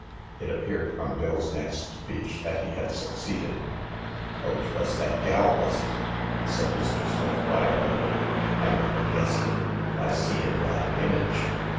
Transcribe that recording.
It appeared from Bill's next speech that he had succeeded. Oh, 'twas that gal, wos it ?" said Mr. Smith, quietly. I might ha' guessed it, by seein' that himage.